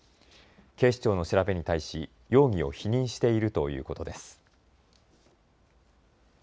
警視庁の調べに対し容疑を否認しているということです。